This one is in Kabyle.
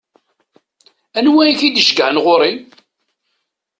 Anwa i k-id-iceggɛen ɣur-i?